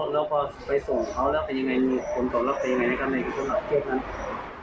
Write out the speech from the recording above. แล้วพอไปส่งเขาแล้วเป็นยังไงมีคนตอบแล้วเป็นยังไงในกรุณะเก็บนั้น